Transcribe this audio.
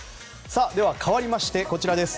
では、かわりましてこちらです。